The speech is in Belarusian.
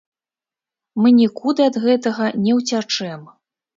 Мы нікуды ад гэтага не ўцячэм.